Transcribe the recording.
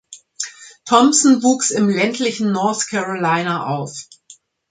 Thompson wuchs im ländlichen North Carolina auf.